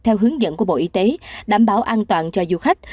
theo hướng dẫn của bộ y tế đảm bảo an toàn cho du khách